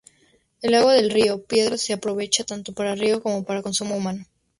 El agua del río Piedras se aprovecha tanto para riego como para consumo humano.